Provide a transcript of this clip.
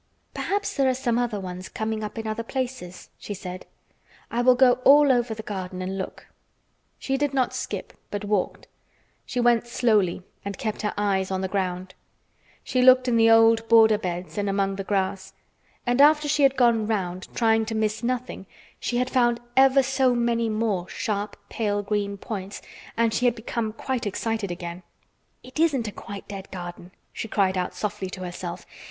"Perhaps there are some other ones coming up in other places," she said. "I will go all over the garden and look." She did not skip, but walked. She went slowly and kept her eyes on the ground. She looked in the old border beds and among the grass, and after she had gone round, trying to miss nothing, she had found ever so many more sharp, pale green points, and she had become quite excited again. "It isn't a quite dead garden," she cried out softly to herself.